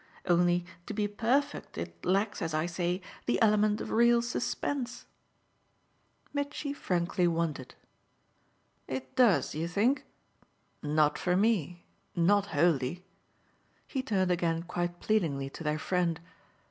Only, to be perfect, it lacks, as I say, the element of real suspense." Mitchy frankly wondered. "It does, you think? Not for me not wholly." He turned again quite pleadingly to their friend.